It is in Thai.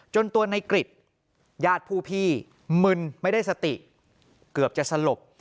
ตัวในกริจญาติผู้พี่มึนไม่ได้สติเกือบจะสลบ